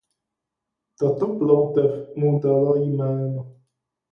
Tato ploutev mu dala jméno.